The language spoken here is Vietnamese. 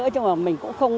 chứ mà mình cũng không